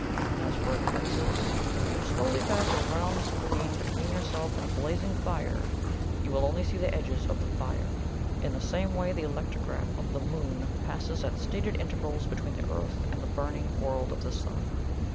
As for eclipses if you slowly pass a round screen between yourself and a blazing fire, you will only see the edges of the fire. In the same way the electrograph of the Moon passes at stated intervals between the Earth and the burning world of the Sun."